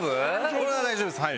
これは大丈夫ですはい。